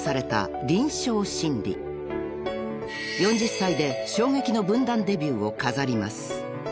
［４０歳で衝撃の文壇デビューを飾ります］